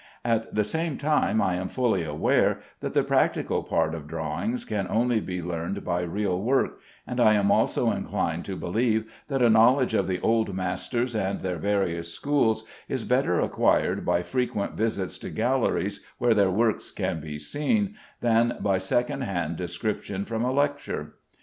At the same time I am fully aware that the practical part of drawing can only be learned by real work; and I am also inclined to believe that a knowledge of the old masters and their various schools is better acquired by frequent visits to galleries where their works can be seen, than by second hand description from a lecture.